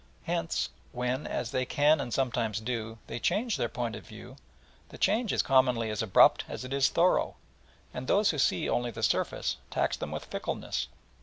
Hence when, as they can and sometimes do, they change their point of view, the change is commonly as abrupt as it is thorough, and those who see only the surface tax them with fickleness.